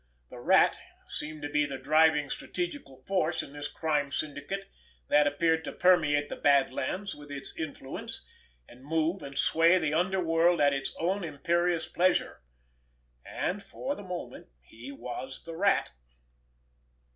The Rat seemed to be the driving strategical force in this crime syndicate that appeared to permeate the Bad Lands with its influence, and move and sway the underworld at its own imperious pleasure—and for the moment he was the Rat!